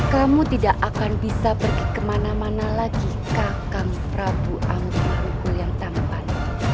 kamu tidak akan bisa pergi kemana mana lagi kakang prabu amri dugul yang tangan